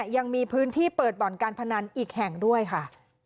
ยังมีพื้นที่เปิดบ่อนการพนันอีกแห่งด้วยค่ะ